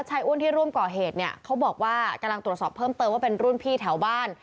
อ้วนที่ร่วมก่อเหตุเนี่ยเขาบอกว่ากำลังตรวจสอบเพิ่มเติมว่าเป็นรุ่นพี่แถวบ้าน